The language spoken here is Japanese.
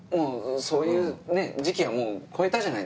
そういう時期はもう越えたじゃないですか。